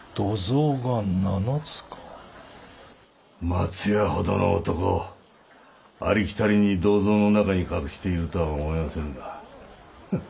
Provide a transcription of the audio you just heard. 松屋ほどの男ありきたりに土蔵の中に隠しているとは思えませぬがフン